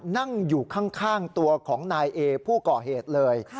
นั่งอยู่ข้างตัวของนายเอผู้ก่อเหตุเลย